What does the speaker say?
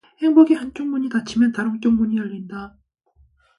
행복의 한 쪽 문이 닫히면 다른 쪽 문이 열린다.